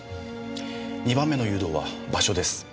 ２番目の誘導は場所です。